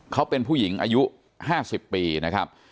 เขาเป็นผู้หญิงอายุ๕๐ปีนะครับ